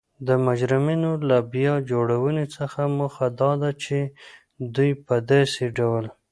د مجرمینو له بیا جوړونې څخه موخه دا ده چی دوی په داسې ډول